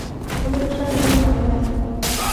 دا بې له شکه ډېر جامع نصيحت دی.